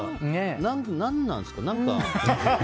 何なんですか？